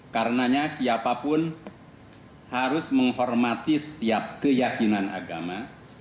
karenanya siapapun harus menghormati setiap keyakinan agama